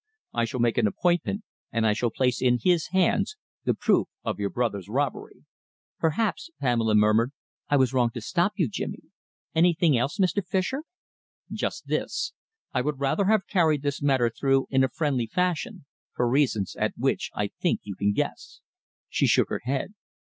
I shall make an appointment, and I shall place in his hands the proof of your brother's robbery." "Perhaps," Pamela murmured, "I was wrong to stop you. Jimmy.... Anything else, Mr. Fischer?" "Just this. I would rather have carried this matter through in a friendly fashion, for reasons at which I think you can guess." She shook her head.